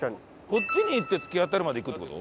こっちに行って突き当たるまで行くって事？